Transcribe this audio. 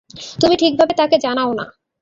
তুমি ঠিকভাবে তাকে জানোও না!